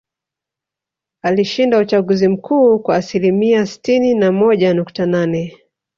Alishinda uchaguzi mkuu kwa asilimia sitini na moja nukta nane